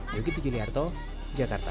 yogi pijuliarto jakarta